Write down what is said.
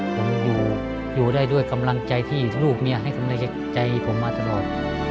ผมอยู่ได้ด้วยกำลังใจที่ลูกเมียให้สำนึกใจผมมาตลอด